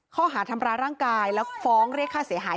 ข้อหาทำร้ายร่างกายแล้วฟ้องเรียกค่าเสียหาย